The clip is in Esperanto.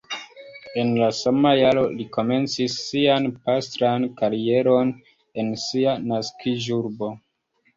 En la sama jaro li komencis sian pastran karieron en sia naskiĝurbo.